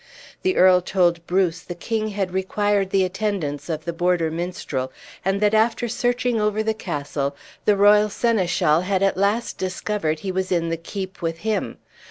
The earl told Bruce the king had required the attendance of the border minstrel, and that after searching over the castle, the royal seneschal had at last discovered he was in the keep with him.